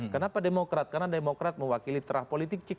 kenapa demokrat karena demokrat mewakili terah politik